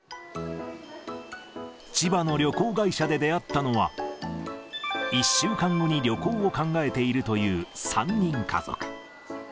千葉の旅行会社で出会ったのは、１週間後に旅行を考えているという３人家族。